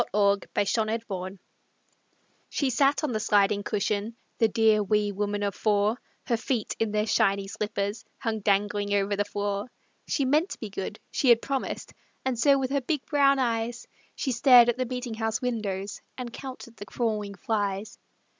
A LAUGH IN CHURCH She sat on the sliding cushion, The dear, wee woman of four; Her feet, in their shiny slippers, Hung dangling over the floor. She meant to be good; she had promised, And so with her big, brown eyes, She stared at the meetinghouse windows And counted the crawling flies.